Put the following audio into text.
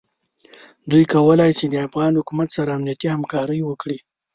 دوی کولای شي د افغان حکومت سره امنیتي همکاري وکړي.